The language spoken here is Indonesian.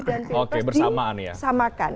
dan ppr di samakan